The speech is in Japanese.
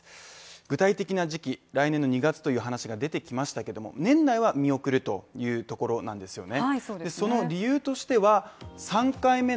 具体的な時期、来年の２月という話が出てきましたけども、年内は見送るというところなんですよね